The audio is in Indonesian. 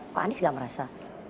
pak andis apa merasa